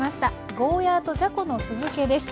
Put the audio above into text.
「ゴーヤーとじゃこの酢漬け」です。